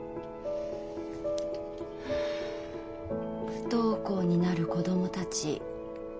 不登校になる子供たち。